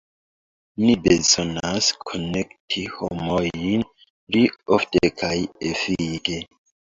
Ni bezonas konekti homojn pli ofte kaj efike.